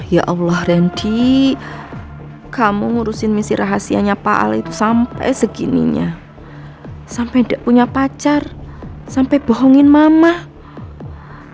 ya allah ren kamu ngurusin misi rahasianya pak ali tuh sampai segininya sampai nggak punya pacar sampai bohongin mama mau sampai kapan ren